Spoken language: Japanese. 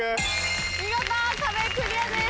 見事壁クリアです。